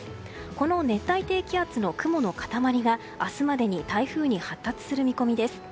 この熱帯低気圧の雲の塊が明日までに台風に発達する見込みです。